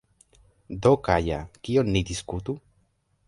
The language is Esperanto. Do Kaja, kion ni diskutu?